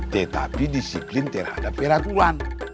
tetapi disiplin terhadap peraturan